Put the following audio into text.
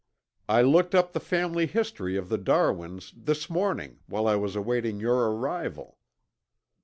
I looked up the family history of the Darwins this morning while I was awaiting your arrival.